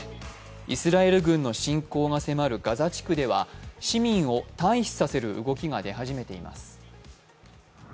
イスラエル軍の侵攻が迫るガザ地区では市民を対比させる動きが出始めています。